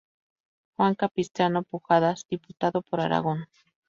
Juan Capistrano Pujadas, diputado por Aragón.